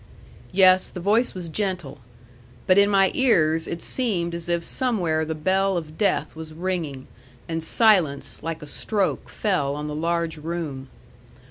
Yes, the voice was gentle. But in my ears it seemed as if somewhere the bell of death was ringing; and silence, like a stroke, fell on the large room.